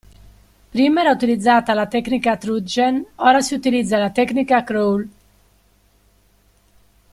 Prima era utilizzata la tecnica trudgen ora si utilizza la tecnica crawl.